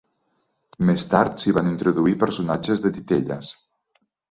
Més tard s'hi van introduir personatges de titelles.